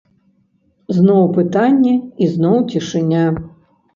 Зноў пытанне, і зноў цішыня.